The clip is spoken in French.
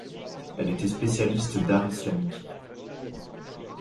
Elle était spécialiste d’art islamique.